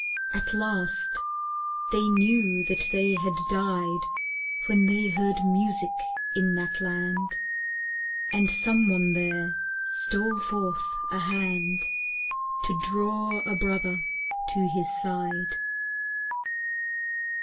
At last they knew that they had died When they heard music in that land, And someone there stole forth a hand To draw a brother to his side.